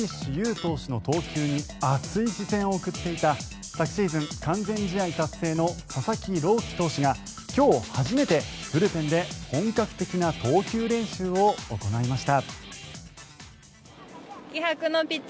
投手の投球に熱い視線を送っていた昨シーズン完全試合達成の佐々木朗希投手が今日、初めてブルペンで本格的な投球練習を行いました。